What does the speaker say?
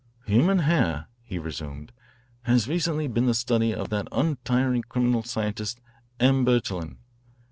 "Human hair," he resumed, "has recently been the study of that untiring criminal scientist, M. Bertillon.